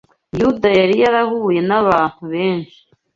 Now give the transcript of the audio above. Yuda yari yarahuye n’abantu benshi